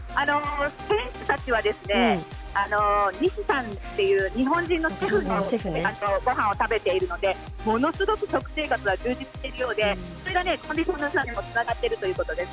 選手たちは日本人のシェフのごはんを食べているのでものすごく食生活は充実しているそうでそれが力につながってるということです。